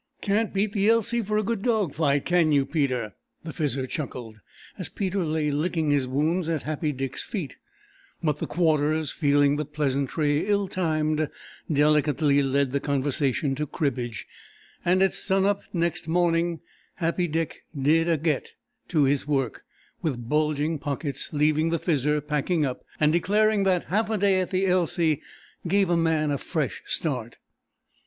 "Can't beat the Elsey for a good dog fight! Can you, Peter?" the Fizzer chuckled, as Peter lay licking his wounds at Happy Dick's feet; but the Quarters, feeling the pleasantry ill timed, delicately led the conversation to cribbage, and at sun up next morning Happy Dick "did a get" to his work, with bulging pockets, leaving the Fizzer packing up and declaring that "half a day at the Elsey gave a man a fresh start."